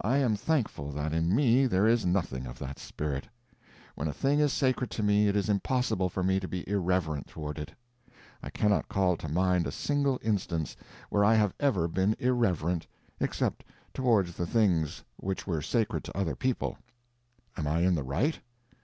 I am thankful that in me there is nothing of that spirit. When a thing is sacred to me it is impossible for me to be irreverent toward it. I cannot call to mind a single instance where I have ever been irreverent, except towards the things which were sacred to other people. Am I in the right?